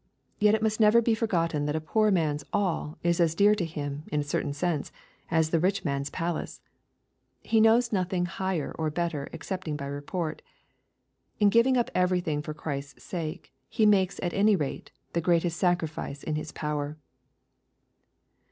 Yet it must never be forgotten that a poor man's " all" is as dear to him, in a certain sense, as the rid man's palace. He knows nothing higher or better excepting by report. In giving up everything for Christ's sake, he makes, at any rate, the greatest sacrifice in his power.